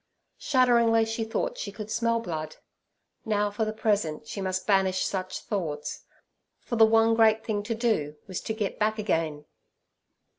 Shudderingly she thought she could smell blood. Now for the present she must banish such thoughts, for the one great thing to do was to get back again.